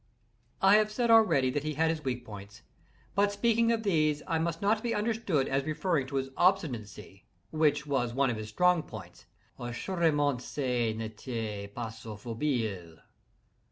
I have said already that he had his weak points; but in speaking of these, I must not be understood as referring to his obstinacy: which was one of his strong points—"assurement ce n' etait pas sa foible."